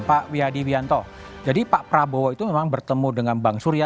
pak wiyadi wianto jadi pak prabowo itu memang bertemu dengan bang surya